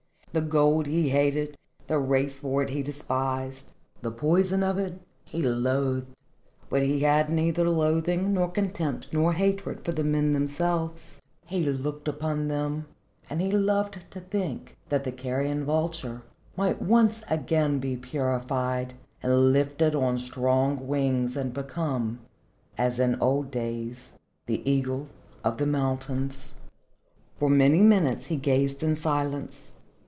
The gold he hated, the race for it he despised, the poison of it he loathed, but he had neither loathing nor contempt nor hatred for the men themselves. He looked upon them and he loved to think that the carrion vulture might once again be purified and lifted on strong wings and become, as in old days, the eagle of the mountains. For many minutes he gazed in silence.